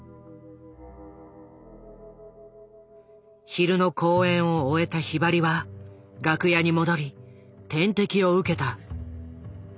昼の公演を終えたひばりは楽屋に戻り点滴を受けた。